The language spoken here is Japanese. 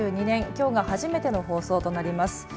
２０２２年、きょうが初めての放送となります。